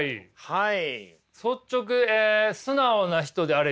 はい。